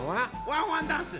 「ワンワン☆ダンス」。